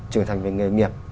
trưởng thành về nghề nghiệp